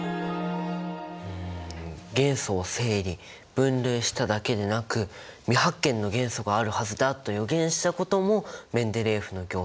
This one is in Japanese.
元素を整理分類しただけでなく未発見の元素があるはずだと予言したこともメンデレーエフの業績なのか。